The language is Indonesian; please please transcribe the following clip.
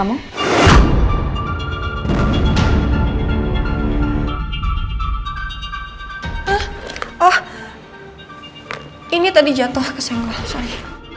oh ini tadi jatuh kesenggol sorry